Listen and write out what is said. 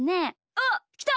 おっきた！